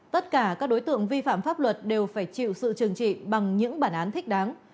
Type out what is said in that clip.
tất cả các đối tượng vi phạm pháp luật đều phải chịu sự trừng trị bằng những bản án thích đáng